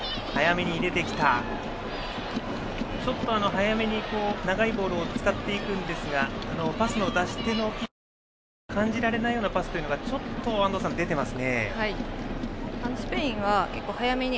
早めに長いボールを使っていくんですがパスの出し手の意図を受け手が感じられないようなパスというのがちょっと安藤さん、スペインは出ていますね。